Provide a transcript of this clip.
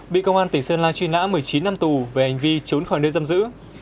bị công an tỉnh sơn la truy nã một mươi chín năm tù về hành vi trốn khỏi nơi giam giữ